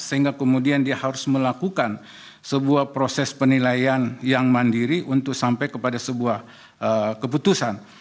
sehingga kemudian dia harus melakukan sebuah proses penilaian yang mandiri untuk sampai kepada sebuah keputusan